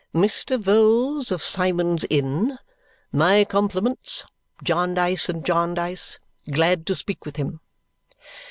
"Mr. Vholes of Symond's Inn. My compliments. Jarndyce and Jarndyce. Glad to speak with him."